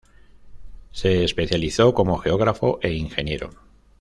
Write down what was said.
Se especializó como geógrafo e ingeniero.